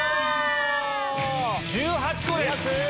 １８個です！